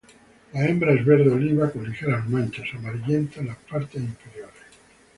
La hembra es verde oliva con ligeras manchas, amarillenta en las partes inferiores.